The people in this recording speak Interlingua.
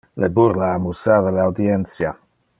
Le burla amusava le audientia.